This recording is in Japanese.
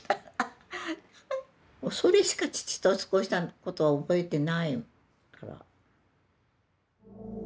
もうそれしか父と過ごしたことは覚えてないから。